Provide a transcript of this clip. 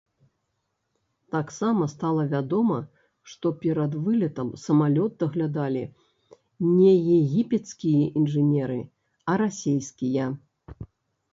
Таксама стала вядома, што перад вылетам самалёт даглядалі не егіпецкія інжынеры, а расейскія.